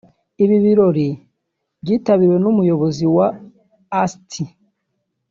Ibi birori byitabiriwe n’Umuyobozi wa Asti